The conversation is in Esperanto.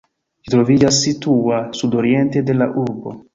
Ĝi troviĝas situa nordoriente de la urbo.